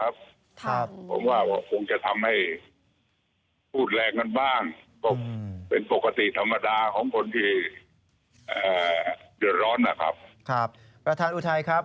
ผมว่าคงจะทำให้อุดแรงกันบ้างเป็นปกติธรรมดาของคนที่เดือดร้อนนะครับ